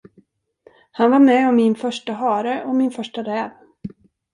Han var med om min första hare och min första räv.